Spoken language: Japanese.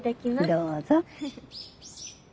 どうぞ。